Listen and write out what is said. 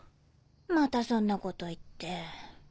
またそんなこと言って。